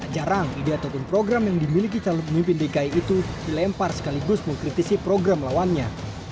jarang ide ataupun program yang dimiliki calon pemimpin dki itu dilempar sekaligus mengkritisi program lawannya